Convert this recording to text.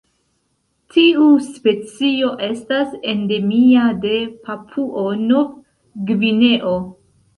Tiu specio estas endemia de Papuo-Nov-Gvineo.